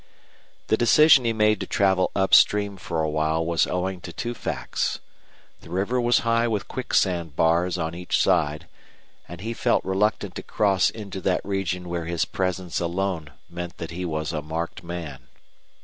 The decision he made to travel up stream for a while was owing to two facts: the river was high with quicksand bars on each side, and he felt reluctant to cross into that region where his presence alone meant that he was a marked man.